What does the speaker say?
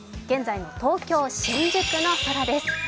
現在の東京・新宿の空です。